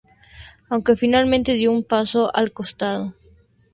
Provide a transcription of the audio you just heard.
Aunque finalmente dio un paso al costado.